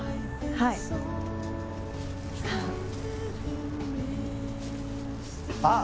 はいああ